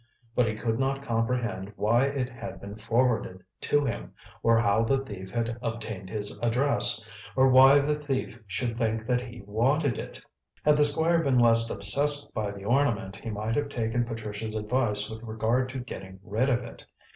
But he could not comprehend why it had been forwarded to him, or how the thief had obtained his address, or why the thief should think that he wanted it. Had the Squire been less obsessed by the ornament, he might have taken Patricia's advice with regard to getting rid of it.